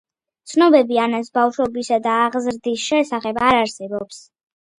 ცნობები ანას ბავშვობისა და აღზრდის შესახებ არ არსებობს.